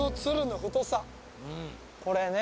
これね。